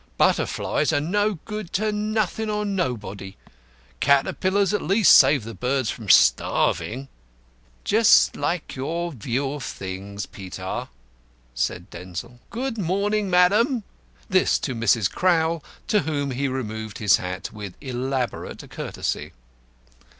"Butterflies are no good to nothing or nobody; caterpillars at least save the birds from starving." "Just like your view of things, Peter," said Denzil. "Good morning, madam." This to Mrs. Crowl, to whom he removed his hat with elaborate courtesy.